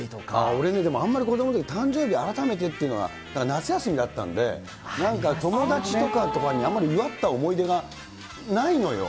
俺ね、あんまり誕生日改めてっていうのが、夏休みだったんで、なんか友達とかに、あまり祝った思い出がないのよ。